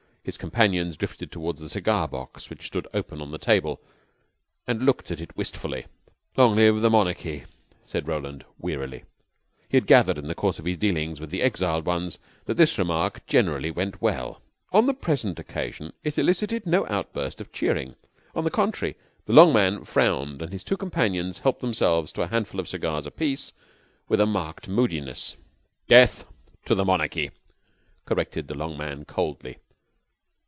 His companions drifted toward the cigar box which stood open on the table, and looked at it wistfully. "Long live the monarchy," said Roland wearily. He had gathered in the course of his dealings with the exiled ones that this remark generally went well. On the present occasion it elicited no outburst of cheering. On the contrary, the long man frowned, and his two companions helped themselves to a handful of cigars apiece with a marked moodiness. "Death to the monarchy," corrected the long man coldly.